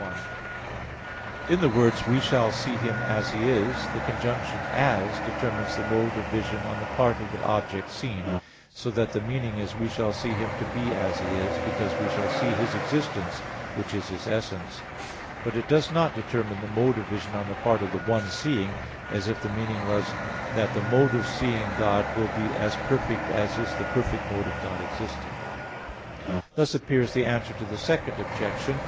1: In the words, "We shall see Him as He is," the conjunction "as" determines the mode of vision on the part of the object seen, so that the meaning is, we shall see Him to be as He is, because we shall see His existence, which is His essence. But it does not determine the mode of vision on the part of the one seeing; as if the meaning was that the mode of seeing God will be as perfect as is the perfect mode of God's existence. Thus appears the answer to the Second Objection.